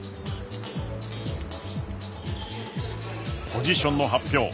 ポジションの発表。